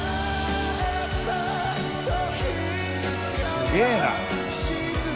すげぇな。